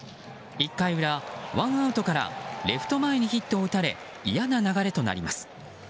１回裏、ワンアウトからレフト前にヒットを打たれ嫌な流れとなります。